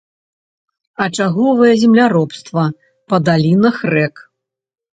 Ачаговае земляробства па далінах рэк.